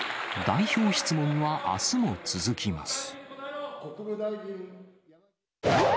代表質問はあすも続きます。